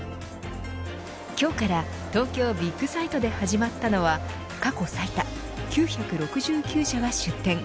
今日から東京ビッグサイトで始まったのは過去最多９６９社が出展。